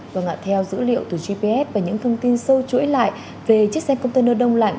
vâng ạ theo dữ liệu từ gps và những thông tin sâu chuỗi lại về chiếc xe container đông lạnh